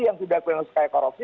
yang tidak punya naskahnya korupsi